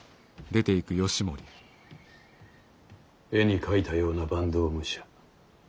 絵に描いたような坂東武者。